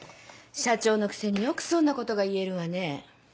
社長のくせによくそんなことが言えるわね。